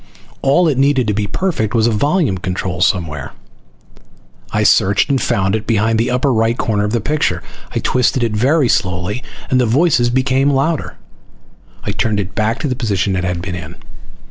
All it needed to be perfect was a volume control somewhere. I searched, and found it behind the upper right corner of the picture. I twisted it very slowly, and the voices became louder. I turned it back to the position it had been in.